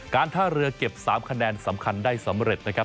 การท่าเรือเก็บ๓คะแนนสำคัญได้สำเร็จนะครับ